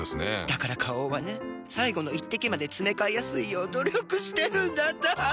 だから花王はね最後の一滴までつめかえやすいよう努力してるんだって。